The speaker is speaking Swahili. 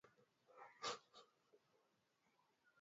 hii ni mara ya kwanza katika kipindi cha miaka ishirini